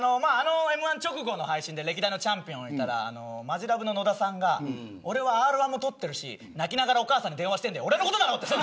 Ｍ‐１直後の配信で歴代チャンピオンからマヂラブの野田さんから俺はＲ‐１を取ってるし泣きながらお母さんに電話してるんだよ。